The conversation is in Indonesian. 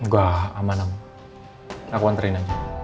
gak aman aku anterin aja